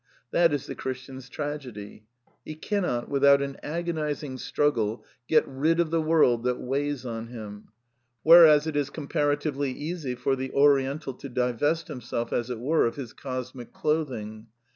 That is the Christian's tragedy. He cannot, without an agonizing struggle, get rid of the world that weighs on him ; whereas it is comparatively easy for the Oriental to divest himself, as it were, of his cosmic clothing.